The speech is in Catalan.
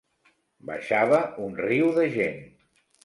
Baixava un riu de gent.